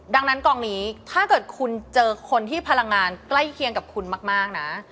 ดังนั้นกองนี้ถ้าเกิดคุณเจอคนที่พลังงานใกล้เคียงกับคุณมากนะ